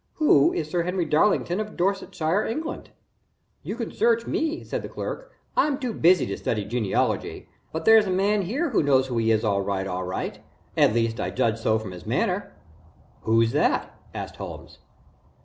Who is Sir Henry Darlington of Dorsetshire, England?" "You can search me," said the clerk. "I'm too busy to study genealogy but there's a man here who knows who he is, all right, all right at least I judge so from his manner." "Who's that?" asked Holmes.